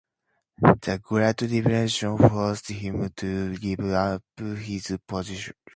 The Great Depression forced him to give up his position.